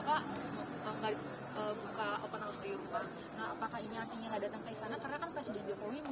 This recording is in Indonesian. karena kan presiden jokowi mengundang